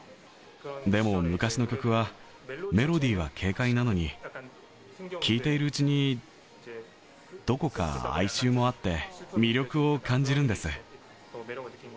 でも昔の曲はメロディーは軽快なのに、聴いているうちに、どこか哀愁もあって、魅力を感じるんです。